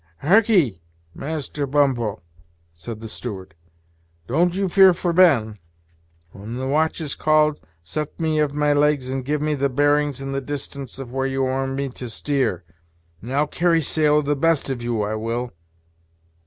"Hark'ee, Master Bump ho," said the steward; "don't you fear for Ben, When the watch is called, set me of my legs and give me the bearings and the distance of where you want me to steer, and I'll carry sail with the best of you, I will."